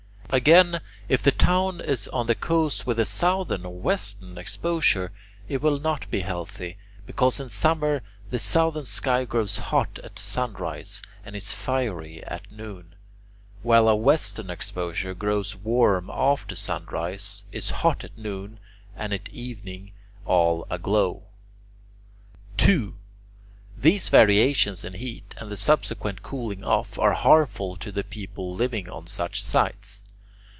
Again, if the town is on the coast with a southern or western exposure, it will not be healthy, because in summer the southern sky grows hot at sunrise and is fiery at noon, while a western exposure grows warm after sunrise, is hot at noon, and at evening all aglow. 2. These variations in heat and the subsequent cooling off are harmful to the people living on such sites.